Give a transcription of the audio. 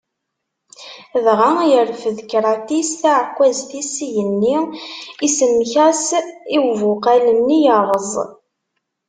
Dɣa yerfed Kratis taɛekkazt-is s igenni iṣemmek-as i ubuqal-nni yerreẓ.